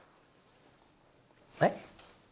えっ？